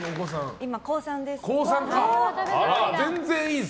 今、高３です。